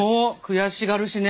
悔しがるしね。